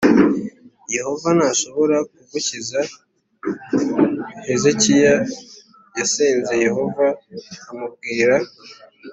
Yehova ntashobora kugukiza Hezekiya yasenze Yehova amubwira